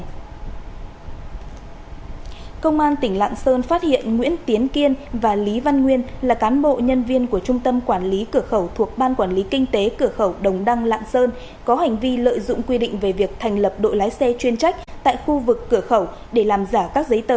cơ quan an ninh điều tra công an tỉnh lạng sơn phát hiện nguyễn tiến kiên và lý văn nguyên là cán bộ nhân viên của trung tâm quản lý cửa khẩu thuộc ban quản lý kinh tế cửa khẩu đồng đăng lạng sơn có hành vi lợi dụng quy định về việc thành lập đội lái xe chuyên trách tại khu vực cửa khẩu để làm giả các giấy tài liệu